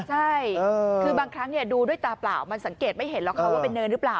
ใช่คือบางครั้งดูด้วยตาเปล่ามันสังเกตไม่เห็นหรอกค่ะว่าเป็นเนินหรือเปล่า